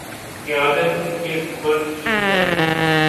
قیادت ان کے سپرد کی جائے